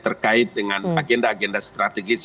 terkait dengan agenda agenda strategis